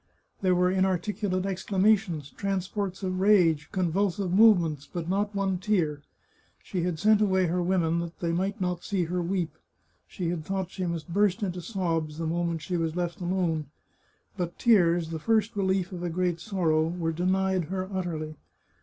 There were inarticulate exclamations, transports of rage, convulsive movements, but not one tear. She had sent away her women that they might not see her weep. She had thought she must burst into sobs the moment she was left alone, but tears, the first relief of a great sorrow, were denied her utterly.